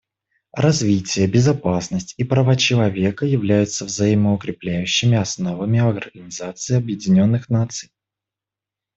Развитие, безопасность и права человека являются взаимоукрепляющими основами Организации Объединенных Наций.